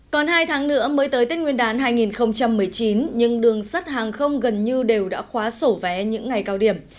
còn hai tháng nữa mới tới tết nguyên đán hai nghìn một mươi chín nhưng đường sắt hàng không gần như đều đã khóa sổ vé những ngày cao điểm